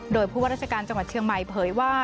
โดยผู้ว่าราชการจังหวัดเชียงใหม่เผยว่า